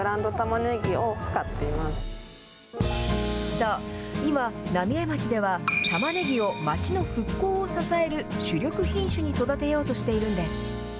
そう、今、浪江町では、たまねぎを町の復興を支える主力品種に育てようとしているんです。